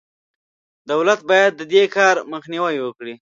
دولت باید د دې کار مخنیوی وکړي.